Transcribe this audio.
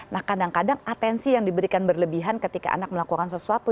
nah kadang kadang atensi yang diberikan berlebihan ketika anak melakukan sesuatu